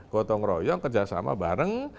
gotong royong kerjasama bareng